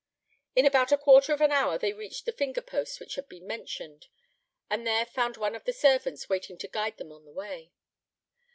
In about a quarter of an hour they reached the finger post which had been mentioned, and there found one of the servants waiting to guide them on the way.